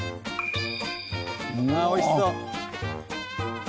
ああおいしそう！